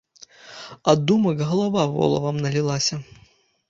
Ад думак галава волавам налілася.